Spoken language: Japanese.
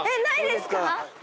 ないですか？